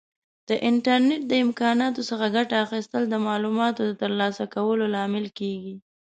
د انټرنیټ د امکاناتو څخه ګټه اخیستل د معلوماتو د ترلاسه کولو لامل کیږي.